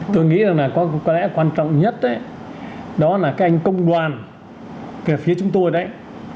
tôi nghĩ rằng là có lẽ quan trọng nhất đó là các anh công đoàn phía chúng tôi đấy